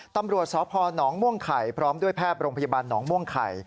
ตำรวจสพหนองม่วงไข่พร้อมด้วยแพทย์โรงพยาบาลหนองม่วงไข่